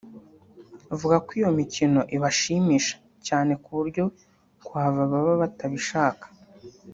bavuga ko iyo mikino ibashimisha cyane ku buryo kuhava baba batabishaka